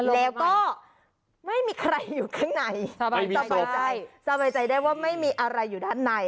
แล้วก็ไม่มีใครอยู่ข้างในสบายใจสบายใจได้ว่าไม่มีอะไรอยู่ด้านใน